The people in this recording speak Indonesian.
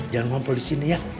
jangan ngomong disini ya